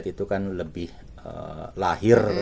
itu kan lebih lahir